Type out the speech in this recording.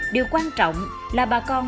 điều quan trọng là bà con